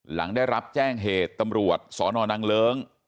หลังได้รับแจ้งเหตุตำรวจสนนางเลิ้ง